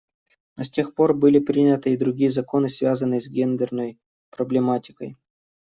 Но с тех пор были приняты и другие законы, связанные с гендерной проблематикой.